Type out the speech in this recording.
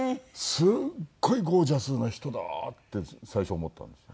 すごいゴージャスな人だって最初思ったんですよ。